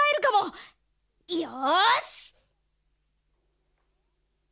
よし！